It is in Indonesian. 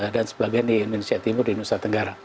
dan sebagainya di indonesia timur di indonesia tenggara